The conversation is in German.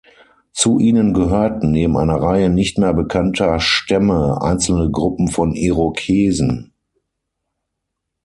Zu ihnen gehörten, neben einer Reihe nicht mehr bekannter Stämme, einzelne Gruppen von Irokesen.